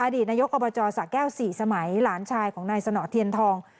ดีตนายกอบจสะแก้ว๔สมัยหลานชายของนายสนเทียนทอง